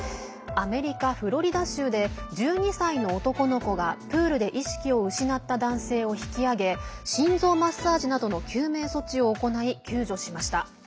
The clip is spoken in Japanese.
アメリカ・フロリダ州で１２歳の男の子がプールで意識を失った男性を引き上げ心臓マッサージなどの救命措置を行い、救助しました。